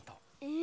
え。